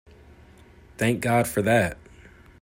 Thank God for that!